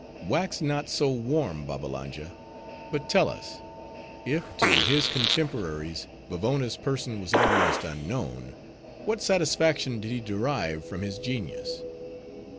"Wax not so warm, Babbalanja; but tell us, if to his contemporaries Vavona's person was almost unknown, what satisfaction did he derive from his genius?"